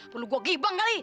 perlu gue gibang kali